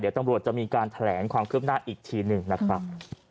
เดี๋ยวตำรวจจะมีการแถลงความคืบหน้าอีกทีหนึ่งนะครับ